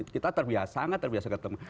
kita terbiasa sangat terbiasa ketemu